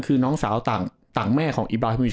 คือน้องสาวต่างแม่ของอิบราฮิส